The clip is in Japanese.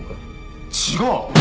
違う！